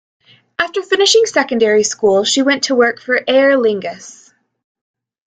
After finishing secondary school she went to work for Aer Lingus.